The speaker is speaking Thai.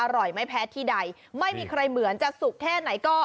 ไม่แพ้ที่ใดไม่มีใครเหมือนจะสุกแค่ไหนก็